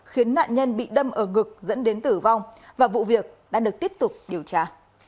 khiến nạn nhân bị đâm ở ngực dẫn đến tử vong và vụ việc đã được tiếp tục điều tra